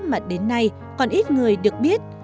mà đến nay còn ít người được biết